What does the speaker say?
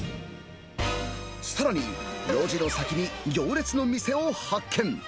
さらに、路地の先に行列の店を発見。